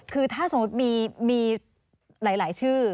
คือถ้าสมมุติมีหลายชื่อ